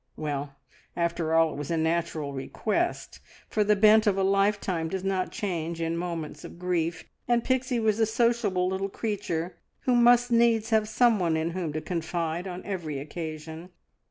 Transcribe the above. Well, after all, it was a natural request, for the bent of a lifetime does not change in moments of grief, and Pixie was a sociable little creature, who must needs have someone in whom to confide on every occasion.